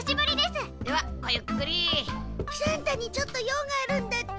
喜三太にちょっと用があるんだって。